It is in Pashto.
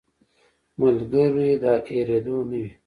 ملګری د هېرېدو نه وي